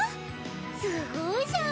すごいじゃん。